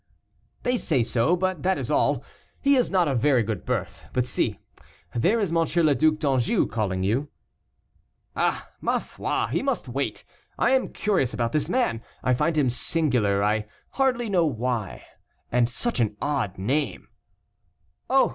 "They say so, but that is all; he is not of very good birth. But see, there is M. le Duc d'Anjou calling to you." "Ah! ma foi, he must wait. I am curious about this man. I find him singular, I hardly know why. And such an odd name." "Oh!